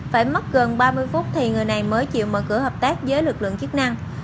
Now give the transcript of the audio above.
phải mất gần ba mươi phút thì người này mới chịu mở cửa hợp tác với lực lượng chức năng